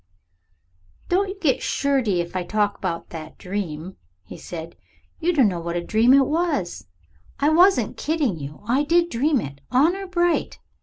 "Don't you get shirty if I talks about that dream," he said. "You dunno what a dream it was. I wasn't kidding you. I did dream it, honor bright.